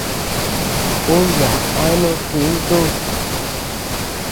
Ú yaʼa eanu jiʼi ntú.